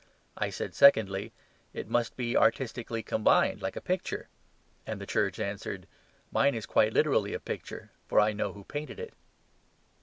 I said secondly, "It must be artistically combined, like a picture"; and the Church answered, "Mine is quite literally a picture, for I know who painted it."